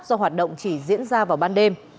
do hoạt động chỉ diễn ra vào ban đêm